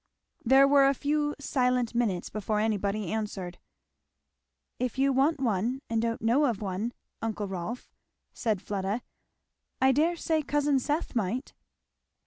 There were a few silent minutes before anybody answered. "If you want one and don't know of one, uncle Rolf," said Fleda, "I dare say cousin Seth might."